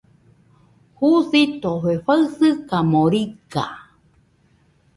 Jusitofe faɨsɨkamo riga.